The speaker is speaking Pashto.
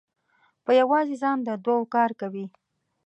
په یوازې ځان د دوو کار کوي.